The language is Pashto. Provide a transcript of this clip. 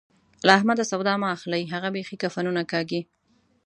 له احمده سودا مه اخلئ؛ هغه بېخي کفنونه کاږي.